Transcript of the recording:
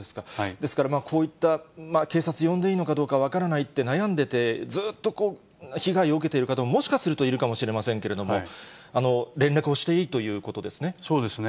ですから、こういった、警察呼んでいいのかどうか分からないって悩んでて、ずっと被害を受けている方、もしかするといるかもしれませんけれども、そうですね。